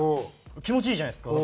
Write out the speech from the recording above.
気持ちいいじゃないですか。